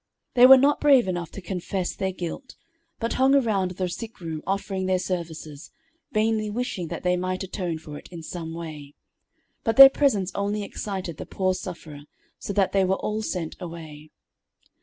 They were not brave enough to confess their guilt, but hung around the sick room offering their services, vainly wishing that they might atone for it in some way. But their presence only excited the poor sufferer, so that they were all sent away.